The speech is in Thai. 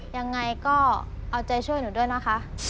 ยังไงก็เอาใจช่วยหนูด้วยนะคะ